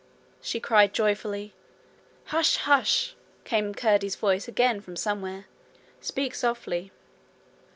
she cried joyfully. 'Hush! hush!' came Curdie's voice again from somewhere. 'Speak softly.'